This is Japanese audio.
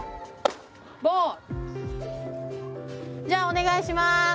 じゃあお願いします。